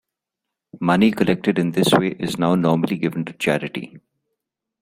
Money collected in this way is now normally given to charity.